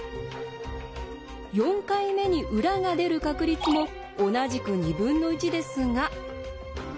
４回目に裏が出る確率も同じく２分の１ですが。